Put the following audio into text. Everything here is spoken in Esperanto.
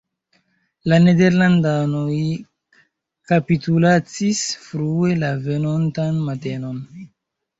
La nederlandanoj kapitulacis frue la venontan matenon.